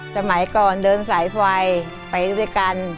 สมัยก่อนเดินสายไฟไปด้วยกัน